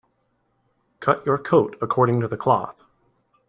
Cut your coat according to the cloth.